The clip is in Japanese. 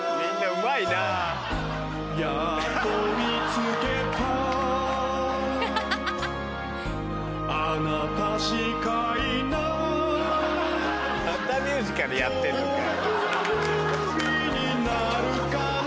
またミュージカルやってんのかよ。